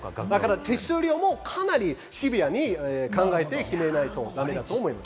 手数料もかなりシビアに考えてくれないとだめだと思います。